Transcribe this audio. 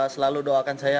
selalu doakan saya